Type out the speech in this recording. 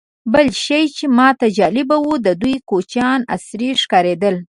بل شی چې ماته جالبه و، د دوی کوچیان عصري ښکارېدل.